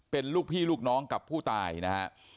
เป็นลูกพี่ลูกน้องกับผู้ตายนะฮะ